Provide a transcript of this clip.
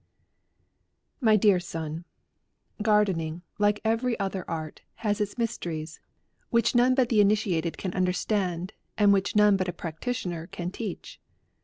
My Dear Son, Gardening, like every other art, has its mysteries, which none but the initiated can understand, and which none but a prac titioner can teach.